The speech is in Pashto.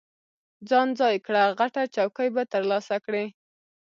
ځان ځای کړه، غټه چوکۍ به ترلاسه کړې.